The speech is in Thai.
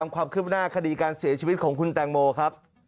ความคืบหน้าคดีการเสียชีวิตของคุณแตงโมครับ